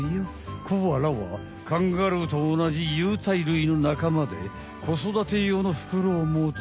コアラはカンガルーとおなじ有袋類のなかまでこそだてようのふくろをもつ。